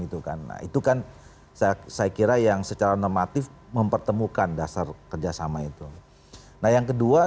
itu kan nah itu kan saya kira yang secara normatif mempertemukan dasar kerjasama itu nah yang kedua